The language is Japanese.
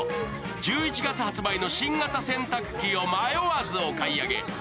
１１月発売の新型洗濯機を迷わず購入。